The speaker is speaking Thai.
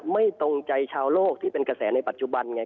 ไม่ตรงใจชาวโลกที่เป็นกระแสในปัจจุบันไง